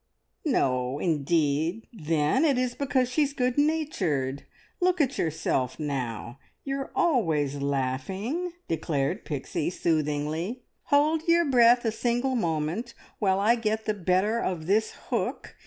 "No, indeed, then, it is because she's good natured. Look at yourself now; you are always laughing!" declared Pixie soothingly. "Hold yer breath a single moment while I get the better of this hook.